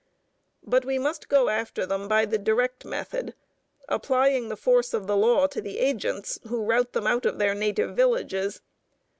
But we must go after them by the direct method, applying the force of the law to the agents who rout them out of their native villages.